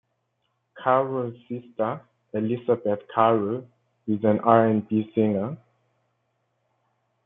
Carew's sister, Elisabeth Carew, is an R and B singer.